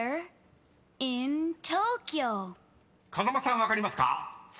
［風間さん分かりますか？］